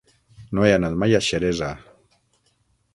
No he anat mai a Xeresa.